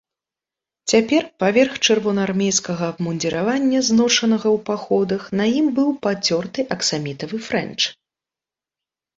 Цяпер паверх чырвонаармейскага абмундзіравання, зношанага ў паходах, на ім быў пацёрты аксамітавы фрэнч.